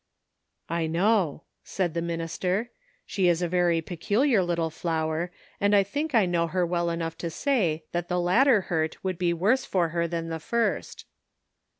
"I know," said the minister; "she is a very peculiar little flower, and I think I know her well enough to say that the latter hurt would be worse for her than the first."